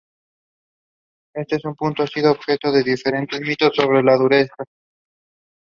Este puerto ha sido objeto de diferentes mitos sobre su dureza.